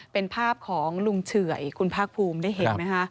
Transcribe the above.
เป็นภาพของลุงเฉื่อยคุณภาคภูมิได้เห็นไหมคะ